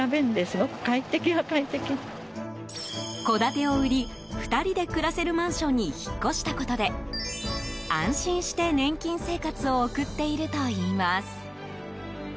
戸建てを売り、２人で暮らせるマンションに引っ越したことで安心して年金生活を送っているといいます。